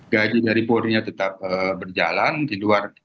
gaji dari polrinya tetap berjalan di luar